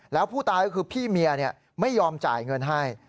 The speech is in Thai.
แล้วผู้ตายก็คือพี่เมียไม่ยอมจ่ายเงินให้